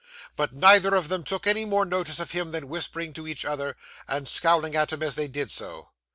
But, neither of them took any more notice of him than whispering to each other, and scowling at him as they did so.